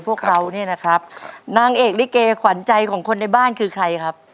พวกเราเนี่ยนะครับนางเอกลิเกขวัญใจของคนในบ้านคือใครครับ